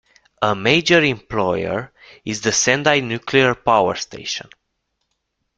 A major employer is the Sendai nuclear power station.